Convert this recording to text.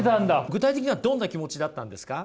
具体的にはどんな気持ちだったんですか？